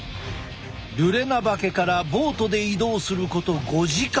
ルレナバケからボートで移動すること５時間。